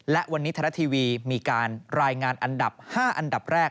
และวันนี้ไทยรัฐทีวีมีการรายงานอันดับ๕อันดับแรก